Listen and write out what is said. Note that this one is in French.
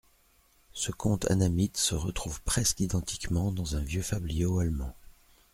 Ce conte annamite se retrouve presque identiquement dans un vieux fabliau allemand.